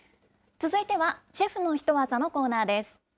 続いては、シェフのヒトワザのコーナーです。